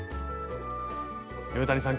岩谷さん